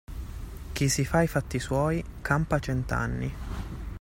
Chi si fa i fatti suoi, campa cent'anni.